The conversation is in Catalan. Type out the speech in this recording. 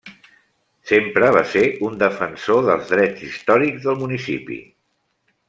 Sempre va ser un defensor dels drets històrics del municipi.